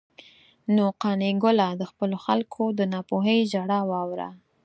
نو قانع ګله، د خپلو خلکو د ناپوهۍ ژړا واوره.